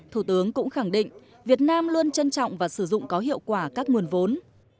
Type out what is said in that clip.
thủ tướng cũng khẳng định việt nam luôn trân trọng và sử dụng có hiệu quả các nguồn vốn